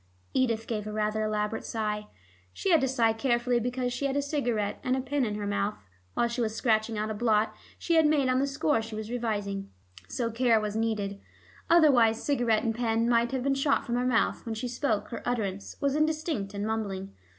Edith gave a rather elaborate sigh. She had to sigh carefully because she had a cigarette and a pen in her mouth, while she was scratching out a blot she had made on the score she was revising. So care was needed; otherwise cigarette and pen might have been shot from her mouth. When she spoke her utterance was indistinct and mumbling.